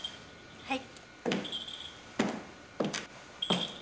はい。